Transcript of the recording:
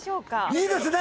いいですね。